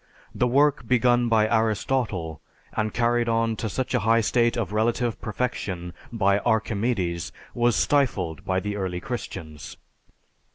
The work begun by Aristotle and carried on to such a high state of relative perfection by Archimedes, was stifled by the early Christians.